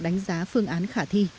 đánh giá phương án khả thi